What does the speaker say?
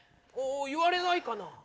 うん言われないかな。